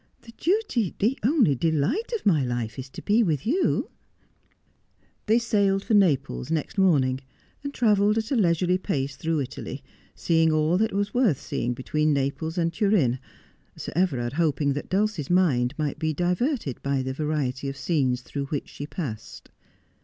The duty, the only delight of my Kfe is to be with you !' They sailed for Naplea next morning and travelled at a leisurely pace through Italy, seeing all that was worth seeing between Naples and Turin, Sir Everard hoping that Dulcie's mind might be diverted by the variety of scenes through which she passed.